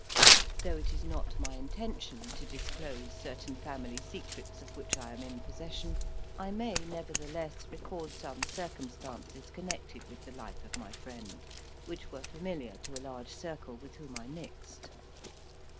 Though it is not my intention to disclose certain family secrets of which I am in possession, I may, nevertheless, record some circumstances connected with the life of my friend, which were familiar to a large circle with whom I mixed.